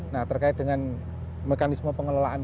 nah terkait dengan mekanisme pengelolaan